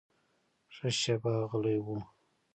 ښه شېبه غلی و.